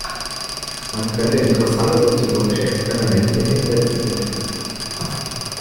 Man könnte interessante soziologische Experimente mit den Sätzen durchführen.